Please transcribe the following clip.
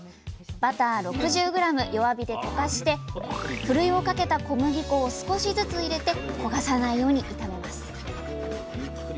バター６０ｇ弱火で溶かしてふるいをかけた小麦粉を少しずつ入れて焦がさないように炒めます。